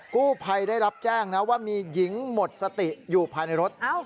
กู้ภัยได้รับแจ้งนะว่ามีหญิงหมดสติอยู่ภายในรถ